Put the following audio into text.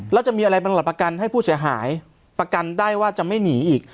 แล้วจะมีอะไรบางหลักประกันให้ผู้เสียหายประกันได้ว่าจะไม่หนีอีก